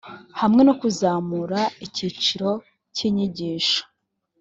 hamwe no kuzamura icyiciro cy inyigisho